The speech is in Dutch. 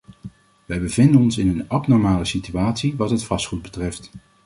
Wij bevinden ons in een abnormale situatie wat het vastgoed betreft.